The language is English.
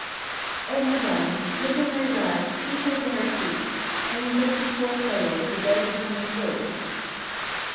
" O madame, look at my rags, see my bare feet. I am but a poor fellow who begs upon the road."